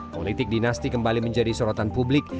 politik dinasti kembali menjadi sorotan publik